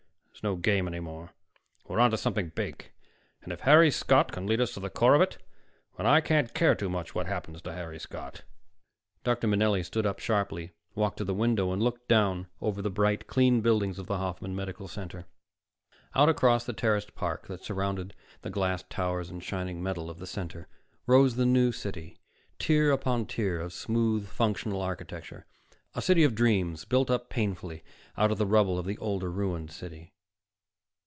That's no game any more. We're onto something big. And, if Harry Scott can lead us to the core of it, then I can't care too much what happens to Harry Scott." Dr. Manelli stood up sharply, walked to the window, and looked down over the bright, clean buildings of the Hoffman Medical Center. Out across the terraced park that surrounded the glassed towers and shining metal of the Center rose the New City, tier upon tier of smooth, functional architecture, a city of dreams built up painfully out of the rubble of the older, ruined city.